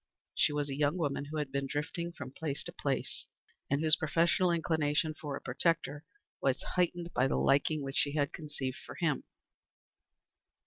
She was a young woman, who had been drifting from place to place, and whose professional inclination for a protector was heightened by the liking which she had conceived for him.